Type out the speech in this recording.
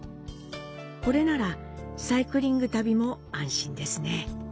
これならサイクリング旅も安心ですね。